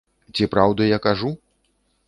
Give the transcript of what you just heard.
Ці праўду я кажу?